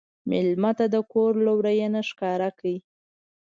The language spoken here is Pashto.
مېلمه ته د کور لورینه ښکاره کړه.